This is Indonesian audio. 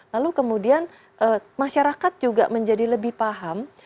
lalu kemudian masyarakat juga menjadi lebih paham